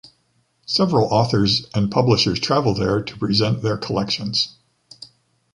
Several authors and publishers travel there to present their collections.